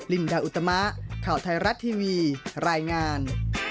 ลินดาอุตมะข่าวไทยรัฐทีวีรายงาน